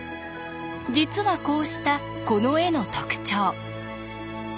実はこうしたこの絵の特徴。